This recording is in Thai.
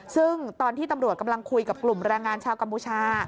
ซึ่งตอนที่ตำรวจกำลังคุยกับกลุ่มแรงงานชาวกัมพูชา